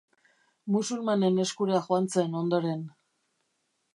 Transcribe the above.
Musulmanen eskura joan zen ondoren.